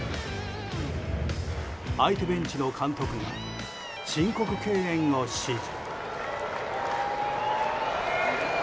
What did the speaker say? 相手ベンチの監督が申告敬遠を指示。